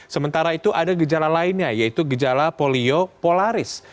sementara itu ada gejala lainnya yaitu gejala polio polaris